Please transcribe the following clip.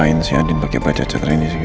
aduh ngapain si randy pake bajacet randy segala